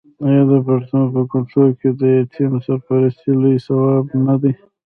آیا د پښتنو په کلتور کې د یتیم سرپرستي لوی ثواب نه دی؟